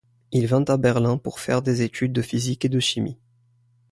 Il vint à Berlin pour faire des études de physique et de chimie.